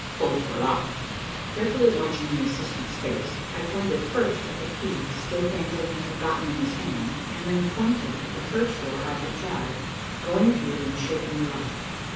Both were locked. Carefully watching the assistant's face, I pointed first at the keys still dangling forgotten in his hand, and then pointed at the first door I had tried, going to it and shaking the lock.